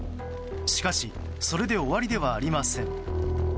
しかしそれで終わりではありません。